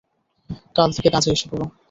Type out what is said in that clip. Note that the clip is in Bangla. কাল থেকে কাজে এসে পড়ো।